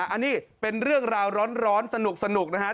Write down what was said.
อันนี้เป็นเรื่องราวร้อนสนุกนะครับ